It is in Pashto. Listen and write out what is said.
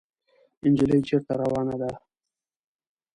انجلۍ چېرته روانه ده ؟